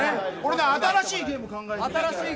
新しいゲーム考えたの。